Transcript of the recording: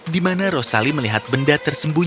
di mana rosali melihat buah buahan yang terlalu besar